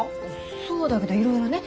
そうだけどいろいろね。